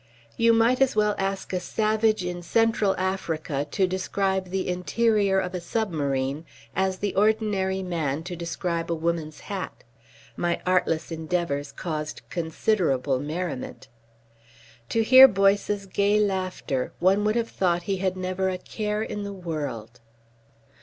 You might as well ask a savage in Central Africa to describe the interior of a submarine as the ordinary man to describe a woman's hat. My artless endeavours caused considerable merriment. To hear Boyce's gay laughter one would have thought he had never a care in the world